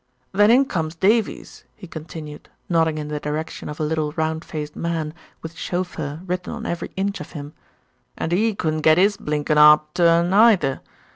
"Then in comes Davies," he continued, nodding in the direction of a little round faced man, with "chauffeur" written on every inch of him "and 'e couldn't get 'is blinkin' 'arp to 'urn neither.